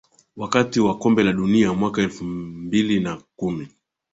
wakati wa kombe la dunia mwaka elfu mbili na kumi